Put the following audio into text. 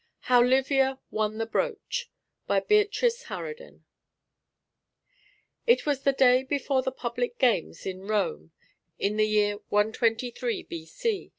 HOW LIVIA WON THE BROOCH By Beatrice Harraden It was the day before the public games in Rome, in the year 123 B.C.